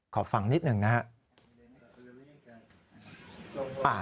ขอฟังนิดหนึ่งนะครับ